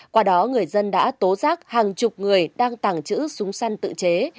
qua đó người dân đã tố giác hàng chục người đang tàng trữ súng săn tự chế